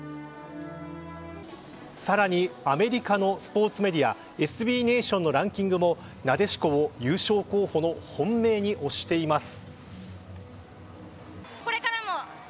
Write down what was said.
さらにアメリカのスポーツメディアＳＢネーションのランキングもなでしこを優勝候補の本命に推しています。